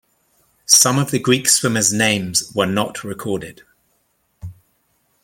Some of the Greek swimmers' names were not recorded.